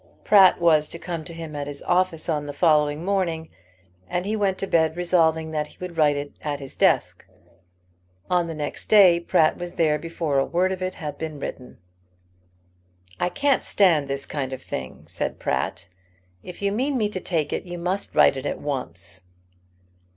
Pratt was to come to him at his office on the following morning, and he went to bed resolving that he would write it at his desk. On the next day Pratt was there before a word of it had been written. "I can't stand this kind of thing," said Pratt. "If you mean me to take it, you must write it at once."